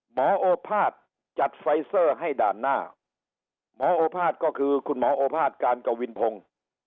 โอภาษย์จัดไฟเซอร์ให้ด่านหน้าหมอโอภาษย์ก็คือคุณหมอโอภาษการกวินพงศ์